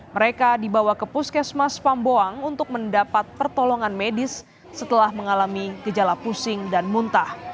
mereka dibawa ke puskesmas pamboang untuk mendapat pertolongan medis setelah mengalami gejala pusing dan muntah